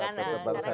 karena kita biasa di